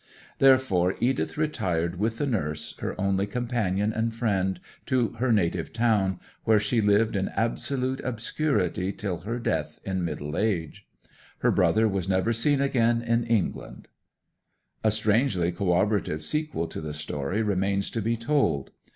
Therefore, Edith retired with the nurse, her only companion and friend, to her native town, where she lived in absolute obscurity till her death in middle age. Her brother was never seen again in England. A strangely corroborative sequel to the story remains to be told.